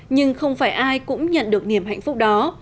nhưng không phải ai cũng nhận được niềm hạnh phúc đó